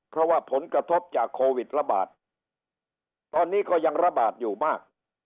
เพราะว่าผลกระทบจากโควิดระบาดตอนนี้ก็ยังระบาดอยู่มาก